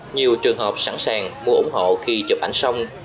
nhiều trường hợp sẵn sàng mua ủng hộ khi chụp ảnh xong